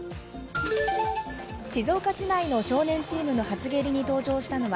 静岡市内の少年チームの初蹴りに登場したのは、